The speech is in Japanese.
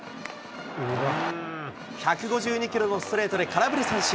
１５２キロのストレートで空振り三振。